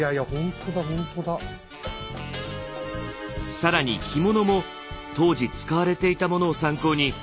更に着物も当時使われていたものを参考に着色します。